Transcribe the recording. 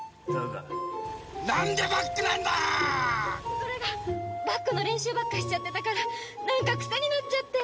それがバックの練習ばっかしちゃってたからなんかクセになっちゃって。